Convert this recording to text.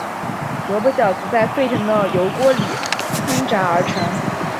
萝卜饺子在沸腾的油锅里烹炸而成。